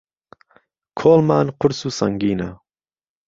کۆڵمان قورس و سەنگینە